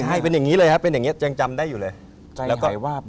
ใช่เป็นอย่างนี้เลยครับแจ้งจำได้อยู่เลย